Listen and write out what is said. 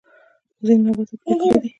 ځینې نباتات بې ګله دي